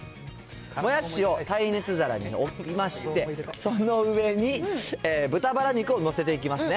もやしを耐熱皿に置きまして、その上に豚バラ肉を載せていきますね。